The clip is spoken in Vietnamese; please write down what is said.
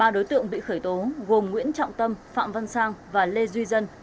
ba đối tượng bị khởi tố gồm nguyễn trọng tâm phạm văn sang và lê duy dân